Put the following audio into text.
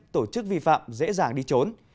tổ chức vi phạm dễ dàng đi trốn